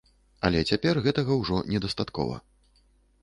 Але цяпер гэтага ўжо недастаткова.